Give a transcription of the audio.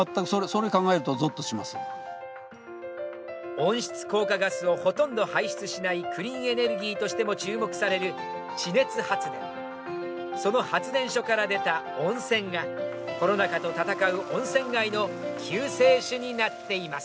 温室効果ガスをほとんど排出しないクリーンエネルギーとしても注目される地熱発電その発電所から出た温泉がコロナ禍と戦う温泉街の救世主になっています。